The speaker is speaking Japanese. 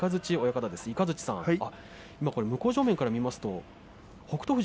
雷さん、向正面から見ますと北勝